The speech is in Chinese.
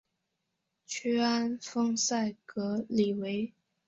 屈安丰塞格里韦。